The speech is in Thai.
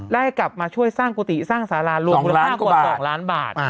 แล้วก็กลับมาช่วยสร้างโกติสร้างศาลาห์หลวงกุลภาพกว่า๒ล้านบาท